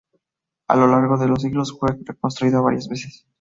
A lo largo de los siglos, fue reconstruida varias veces.